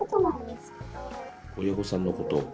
親御さんのこと。